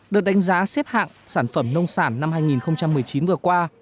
đợt đánh giá xếp hạng sản phẩm nông sản năm hai nghìn một mươi chín vừa qua